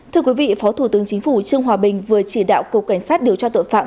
thưa quý vị phó thủ tướng chính phủ trương hòa bình vừa chỉ đạo cục cảnh sát điều tra tội phạm